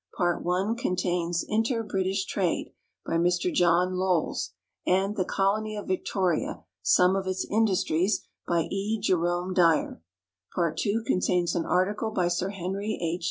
Part I contains " Inter British Trade," by Mr John Lowles, and "The Colony of Victoria; Some of its Indu.<tries," by K. CJerome Dyer. Part II contains an article by Sir Henry H.